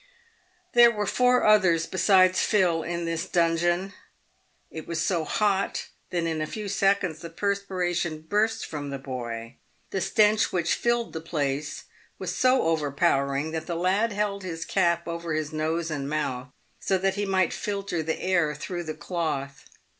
There were four others besides Phil in this dungeon. It was so hot, that in a few seconds the perspiration burst from the boy. The stench which filled the place was so overpowering that the lad held his cap over his nose and mouth, so that he might filter the air through the cloth.